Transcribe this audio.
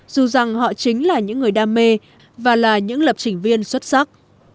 dù rằng họ chính là những người đam mê và là những lập trình viên xuất sắc